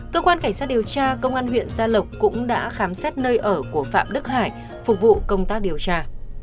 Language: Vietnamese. cơ quan cảnh sát điều tra công an huyện gia lộc cũng đã khám xét nơi ở của phạm đức hải phục vụ công tác điều tra